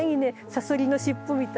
サソリの尻尾みたいに。